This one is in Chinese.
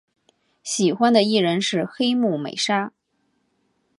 喜欢的艺人是黑木美纱。